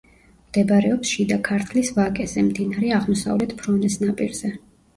მდებარეობს შიდა ქართლის ვაკეზე, მდინარე აღმოსავლეთ ფრონეს ნაპირზე.